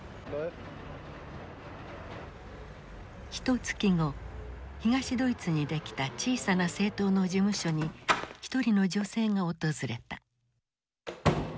ひとつき後東ドイツにできた小さな政党の事務所に一人の女性が訪れた。